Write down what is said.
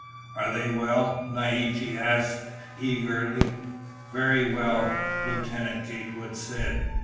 "Are they well?" Naiche asked eagerly. "Very well," Lieutenant Gatewood said.